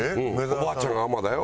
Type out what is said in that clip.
「おばあちゃんが海女だよ。